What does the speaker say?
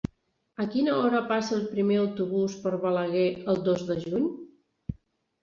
A quina hora passa el primer autobús per Balaguer el dos de juny?